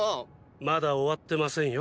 まだ終わってませんよ。